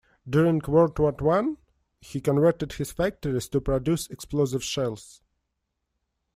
During World War One, he converted his factories to produce explosive shells.